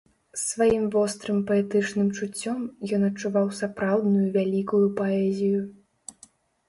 Сваім вострым паэтычным чуццём ён адчуваў сапраўдную вялікую паэзію.